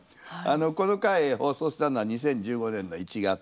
この回放送したのは２０１５年の１月。